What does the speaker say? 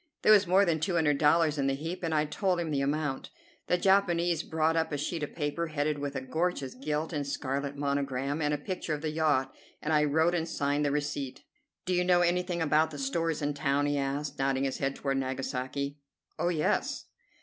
There was more than two hundred dollars in the heap, and I told him the amount. The Japanese brought up a sheet of paper headed with a gorgeous gilt and scarlet monogram and a picture of the yacht, and I wrote and signed the receipt. "Do you know anything about the stores in town?" he asked, nodding his head toward Nagasaki. "Oh, yes!"